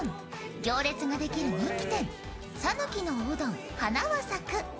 行列ができる人気店、讃岐のおうどん花は咲く。